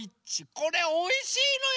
これおいしいのよ。